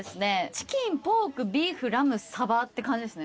チキンポークビーフラムサバって感じですね。